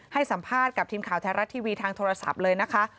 ให้สัมภาษณ์กับทีมข่าวไทยรัฐทีวีทางโทรศัพท์เลยนะคะ